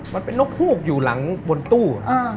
มันเป็นนกฮูกอยู่หลังบนตู้